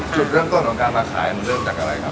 จุดเรื่องข้อหลังการมาขายเริ่มจากอะไร